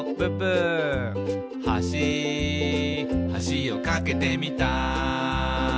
「はしはしを架けてみた」